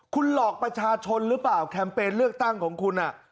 คุณหลอกประชาชนหรือเปล่าแคมเปญเลือกตั้งของคุณ